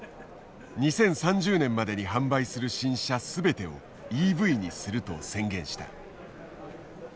２０３０年までに販売する新車全てをＥＶにすると宣言した。